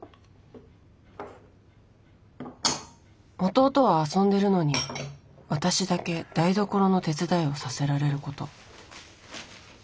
弟は遊んでるのに私だけ台所の手伝いをさせられること。